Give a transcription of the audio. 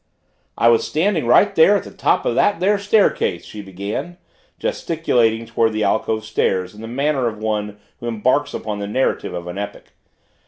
"I was standing right there at the top of that there staircase," she began, gesticulating toward the alcove stairs in the manner of one who embarks upon the narration of an epic.